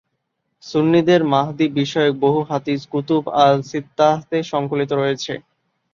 সুন্নিদের মাহদী বিষয়ক বহু হাদীস কুতুব আল-সিত্তাহতে সংকলিত রয়েছে।